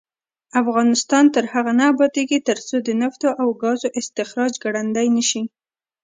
افغانستان تر هغو نه ابادیږي، ترڅو د نفتو او ګازو استخراج ګړندی نشي.